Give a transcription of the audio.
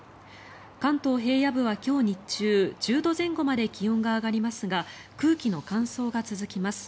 関東平野部は今日日中１０度前後まで気温が上がりますが空気の乾燥が続きます。